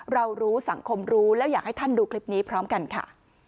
เรารู้สังคมรู้แล้วอยากให้ท่านดูคลิปนี้พร้อมกันค่ะ